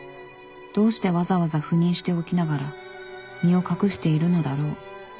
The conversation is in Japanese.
どうしてわざわざ赴任しておきながら身を隠しているのだろう。